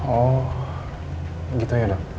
oh gitu ya dong